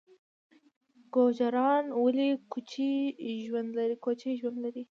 ګوجران ولې کوچي ژوند لري؟